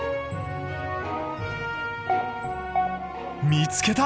見つけた！